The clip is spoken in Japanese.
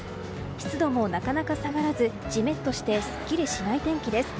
湿度もなかなか下がらずジメッとしてすっきりしない天気です。